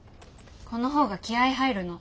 この方が気合い入るの。